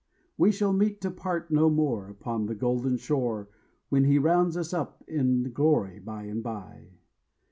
We shall meet to part no more Upon the golden shore When he rounds us up in glory bye and bye.